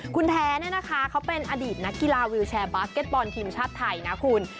คุณแท้เนี่ยนะคะเขาเป็นอดีตนักกีฬาวิวแชร์บาสเก็ตบอลทีมชาติไทยนะคุณ